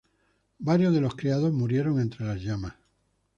Varios de los criados murieron entre las llamas.